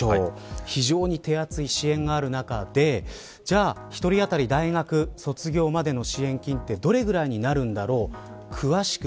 非常に手厚い支援がある中で１人当たり大学卒業までの支援金はどれぐらいになるんだろう。